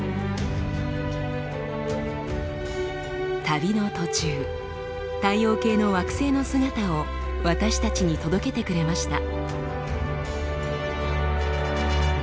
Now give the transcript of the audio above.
旅の途中太陽系の惑星の姿を私たちに届けてくれました。